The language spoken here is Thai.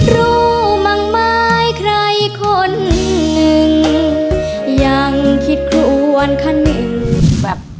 รู้มังไม้ใครคนนึงยังคิดครัวอ้วนคันหนึ่ง